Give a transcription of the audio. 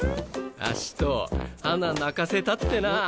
アシト花泣かせたってな！